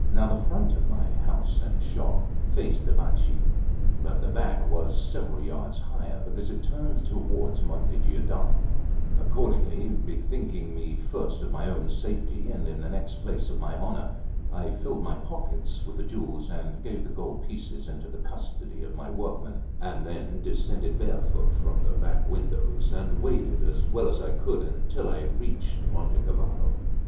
Now the front of my house and shop faced the Banchi, but the back was several yards higher, because it turned toward Monte Giordano; accordingly, bethinking me first of my own safety and in the next place of my honour, I filled my pockets with the jewels, and gave the gold piece into the custody of my workmen, and then descended barefoot from the back windows, and waded as well as I could until I reached Monte Cavallo.